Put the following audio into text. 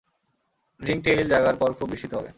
Ringtail জাগার পর খুব বিস্মিত হবে।